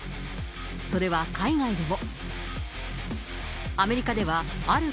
それは海外でも。